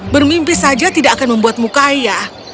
bermimpi saja tidak akan membuatmu kaya